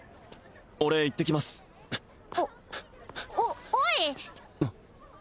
俺行ってきますあおおい！